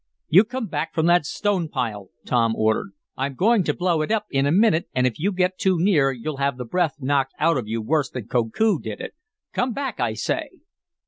"You come back from that stone pile!" Tom ordered. "I'm going to blow it up in a minute, and if you get too near you'll have the breath knocked out of you worse than Koku did it. Come back, I say!"